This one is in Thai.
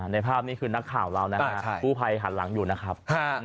ในภาพนี้คือนักข่าวเรานะฮะกู้ภัยหันหลังอยู่นะครับ